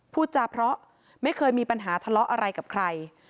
พูดจาเพราะไม่เคยมีปัญหาทะเลาะอะไรกับใคร